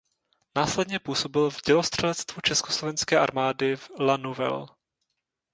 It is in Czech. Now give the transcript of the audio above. Následně působil v dělostřelectvu československé armády v La Nouvelle.